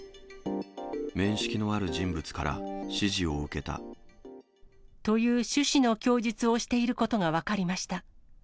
面識のある人物から指示を受という趣旨の供述をしていることが分かりました。